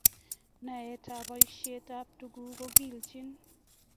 Naet ab boishet ab tuguk kokelchin